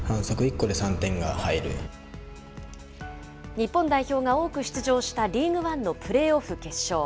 日本代表が多く出場したリーグワンのプレーオフ決勝。